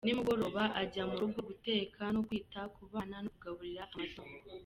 Nimugoroba ajya mu rugo guteka no kwita ku bana no kugaburira amatungo.